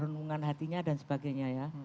renungan hatinya dan sebagainya ya